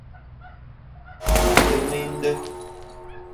Киттеңме инде?